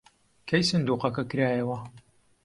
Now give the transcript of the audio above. کەی سندووقەکە کرایەوە؟